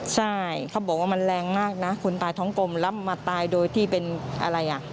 ใช่เขาบอกว่ามันแรงมากนะคนตายท้องกลมแล้วมาตายโดยที่เป็นอะไรอ่ะ